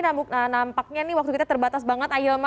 nampaknya waktu kita terbatas banget